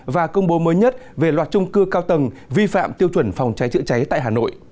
và công bố mới nhất về loạt trung cư cao tầng vi phạm tiêu chuẩn phòng cháy chữa cháy tại hà nội